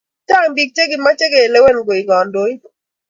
chang pik che kimache ke lewen koik kandoik